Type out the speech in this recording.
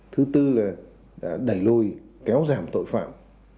thứ tư là đã đẩy lùi kéo giảm tội phạm